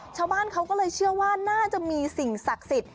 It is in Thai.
ชาวบ้านเขาก็เลยเชื่อว่าน่าจะมีสิ่งศักดิ์สิทธิ์